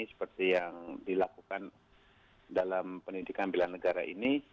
seperti yang dilakukan dalam pendidikan bela negara ini